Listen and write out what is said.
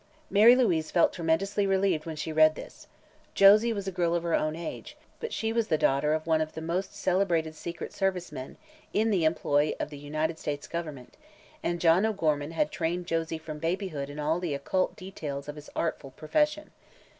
Mary Louise felt tremendously relieved when she read this. Josie was a girl of her own age, but she was the daughter of one of the most celebrated secret service men in the employ of the United States government, and John O'Gorman had trained Josie from babyhood in all the occult details of his artful profession.